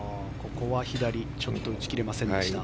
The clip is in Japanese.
ここは左ちょっと打ち切れませんでした。